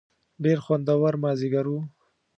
ډېر خوندور مازیګر و.